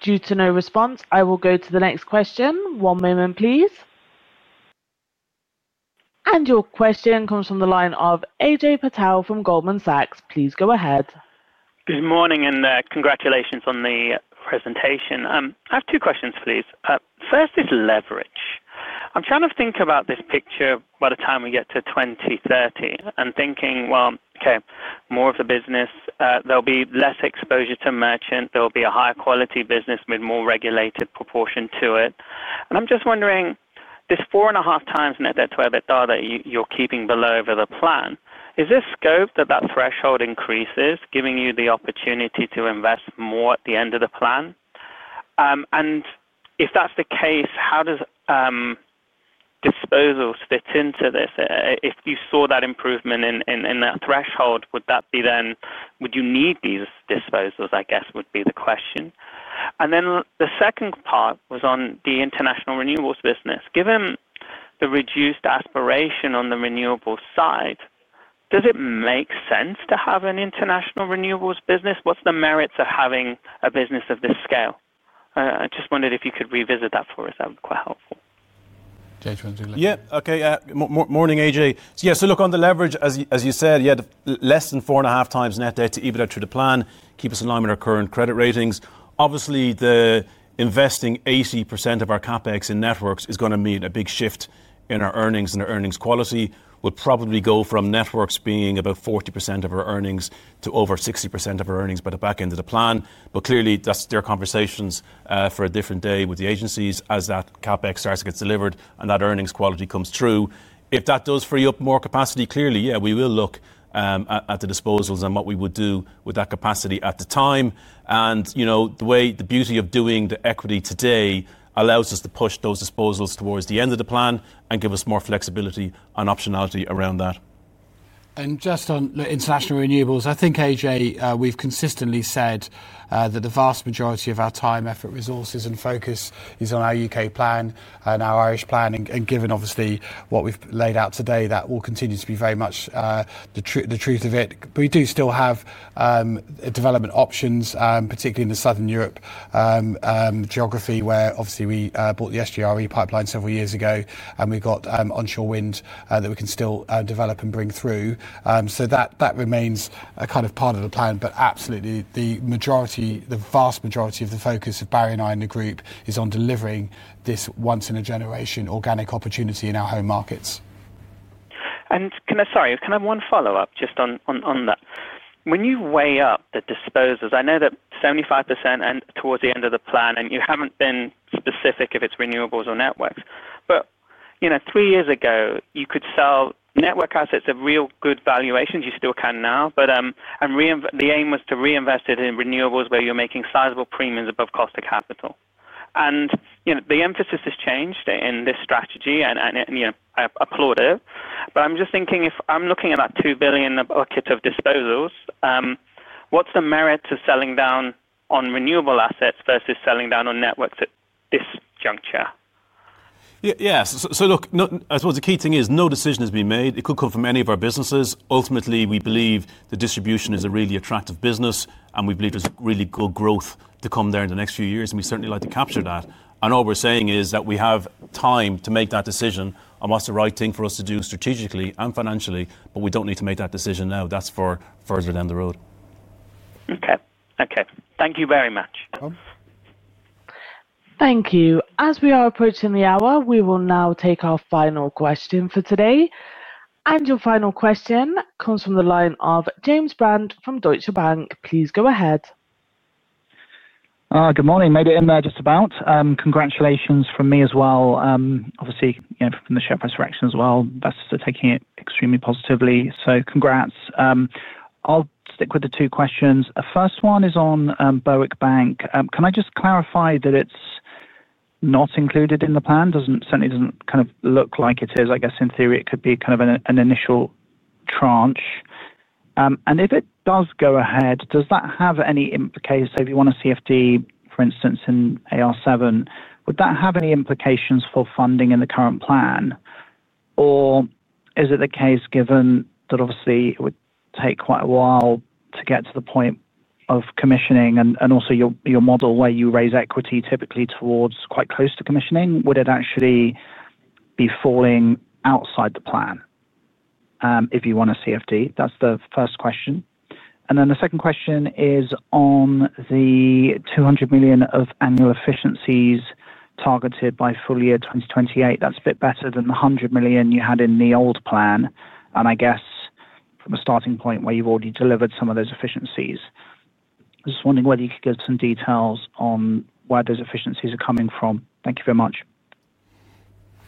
S8: Due to no response, I will go to the next question. One moment, please. Your question comes from the line of Ajay Patel from Goldman Sachs. Please go ahead.
S9: Good morning and congratulations on the presentation. I have two questions, please. First is leverage. I'm trying to think about this picture by the time we get to 2030 and thinking, okay, more of the business, there'll be less exposure to merchant, there'll be a higher quality business with more regulated proportion to it. I'm just wondering, this 4.5 times net debt to every dollar that you're keeping below over the plan, is there scope that that threshold increases, giving you the opportunity to invest more at the end of the plan? If that's the case, how do disposals fit into this? If you saw that improvement in that threshold, would that be then would you need these disposals, I guess, would be the question. The second part was on the international renewables business. Given the reduced aspiration on the renewable side, does it make sense to have an international renewables business? What's the merits of having a business of this scale? I just wondered if you could revisit that for us. That would be quite helpful.
S2: Yeah. Okay. Morning, Ajay. Yeah. So look, on the leverage, as you said, yeah, less than 4.5 times net debt-to-EBITDA through the plan, keep us in line with our current credit ratings. Obviously, the investing 80% of our CapEx in networks is going to mean a big shift in our earnings and our earnings quality. We'll probably go from networks being about 40% of our earnings to over 60% of our earnings by the back end of the plan. Clearly, that's their conversations for a different day with the agencies as that CapEx starts to get delivered and that earnings quality comes through. If that does free up more capacity, clearly, yeah, we will look at the disposals and what we would do with that capacity at the time. The beauty of doing the equity today allows us to push those disposals towards the end of the plan and give us more flexibility and optionality around that. Just on international renewables, I think, Ajay, we've consistently said that the vast majority of our time, effort, resources, and focus is on our U.K. plan and our Irish plan. Given, obviously, what we've laid out today, that will continue to be very much the truth of it. We do still have development options, particularly in the southern Europe geography, where obviously we bought the SGRE pipeline several years ago, and we've got onshore wind that we can still develop and bring through. That remains a kind of part of the plan.
S1: Absolutely, the vast majority of the focus of Barry and I and the group is on delivering this once-in-a-generation organic opportunity in our home markets.
S9: Sorry, can I have one follow-up just on that? When you weigh up the disposals, I know that 75% towards the end of the plan, and you have not been specific if it is renewables or networks.
S1: Three years ago, you could sell network assets at real good valuations. You still can now. The aim was to reinvest it in renewables where you are making sizable premiums above cost of capital. The emphasis has changed in this strategy, and I applaud it. I am just thinking, if I am looking at that 2 billion bucket of disposals, what is the merit to selling down on renewable assets versus selling down on networks at this juncture?
S2: Yeah. Look, I suppose the key thing is no decision has been made. It could come from any of our businesses. Ultimately, we believe the distribution is a really attractive business, and we believe there's really good growth to come there in the next few years. We certainly like to capture that. All we're saying is that we have time to make that decision. What's the right thing for us to do strategically and financially? We do not need to make that decision now. That is for further down the road.
S9: Okay. Thank you very much.
S2: Thank you. As we are approaching the hour, we will now take our final question for today. Your final question comes from the line of James Brand from Deutsche Bank. Please go ahead.
S10: Good morning. Made it in there just about. Congratulations from me as well. Obviously, from the share price reaction as well, investors are taking it extremely positively. Congrats. I'll stick with the two questions. The first one is on Berwick Bank. Can I just clarify that it's not included in the plan? Certainly, it doesn't kind of look like it is. I guess in theory, it could be kind of an initial tranche. If it does go ahead, does that have any implication? If you want to see CfD, for instance, in AR7, would that have any implications for funding in the current plan? Or is it the case, given that obviously it would take quite a while to get to the point of commissioning and also your model where you raise equity typically towards quite close to commissioning, would it actually be falling outside the plan if you want to see CfD? That's the first question. And then the second question is on the 200 million of annual efficiencies targeted by full year 2028. That is a bit better than the 100 million you had in the old plan. I guess from a starting point where you have already delivered some of those efficiencies, I was just wondering whether you could give some details on where those efficiencies are coming from. Thank you very much.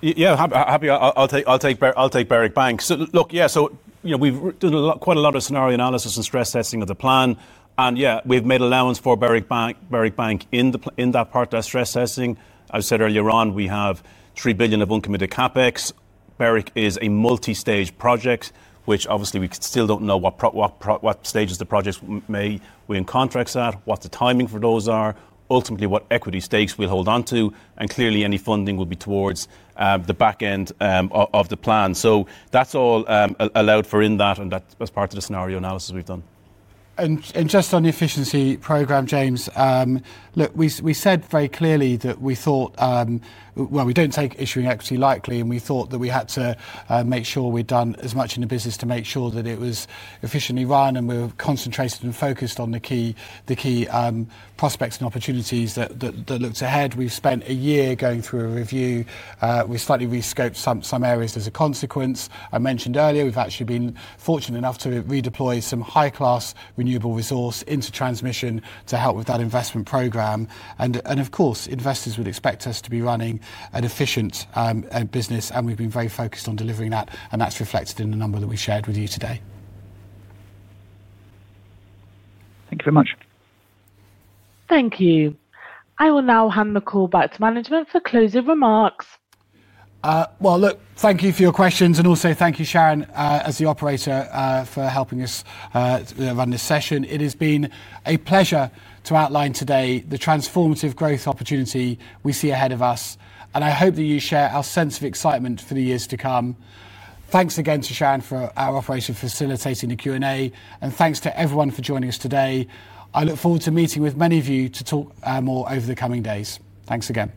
S2: Yeah. I will take Berwick Bank. Look, yeah, we have done quite a lot of scenario analysis and stress testing of the plan. We have made allowance for Berwick Bank in that part of that stress testing. I said earlier on, we have 3 billion of uncommitted CapEx. Berwick is a multi-stage project, which obviously we still do not know what stages the projects may be in contracts at, what the timing for those are, ultimately what equity stakes we will hold on to. Clearly, any funding will be towards the back end of the plan. That is all allowed for in that, and that is part of the scenario analysis we have done. Just on the efficiency program, James, look, we said very clearly that we thought, we do not take issuing equity lightly, and we thought that we had to make sure we had done as much in the business to make sure that it was efficiently run. We were concentrated and focused on the key prospects and opportunities that looked ahead. We have spent a year going through a review. We slightly rescoped some areas as a consequence. I mentioned earlier, we've actually been fortunate enough to redeploy some high-class renewable resource into transmission to help with that investment program. Of course, investors would expect us to be running an efficient business, and we've been very focused on delivering that. That is reflected in the number that we shared with you today.
S10: Thank you very much. Thank you. I will now hand the call back to management for closing remarks. Thank you for your questions. Also, thank you, Sharon, as the operator, for helping us run this session. It has been a pleasure to outline today the transformative growth opportunity we see ahead of us. I hope that you share our sense of excitement for the years to come. Thanks again to Sharon for our operation facilitating the Q&A. Thanks to everyone for joining us today.
S2: I look forward to meeting with many of you to talk more over the coming days. Thanks again.